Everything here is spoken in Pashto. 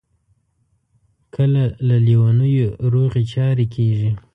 کله له لېونیو روغې چارې کیږي.